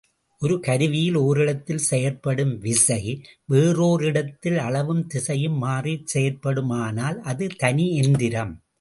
ஒரு கருவியில் ஒரிடத்தில் செயற்படும் விசை வேறோரிடத்தில் அளவும் திசையும் மாறிச் செயற் படுமானால், அது தனி எந்திரம்.